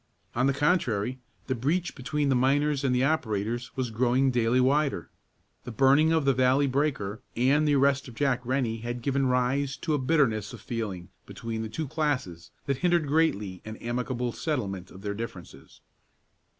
On the contrary, the breach between the miners and the operators was growing daily wider. The burning of the Valley breaker and the arrest of Jack Rennie had given rise to a bitterness of feeling between the two classes that hindered greatly an amicable settlement of their differences.